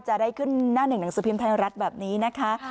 จะได้ขึ้นหน้าหนึ่งหนังสือพิมพ์ไทยรัฐแบบนี้นะคะ